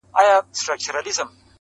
پروازونه یې څښتن ته تماشا وه -